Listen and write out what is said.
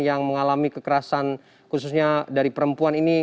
yang mengalami kekerasan khususnya dari perempuan ini